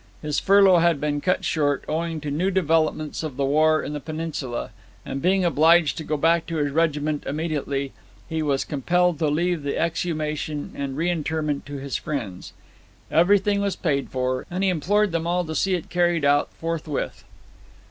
His furlough had been cut short, owing to new developments of the war in the Peninsula, and being obliged to go back to his regiment immediately, he was compelled to leave the exhumation and reinterment to his friends. Everything was paid for, and he implored them all to see it carried out forthwith.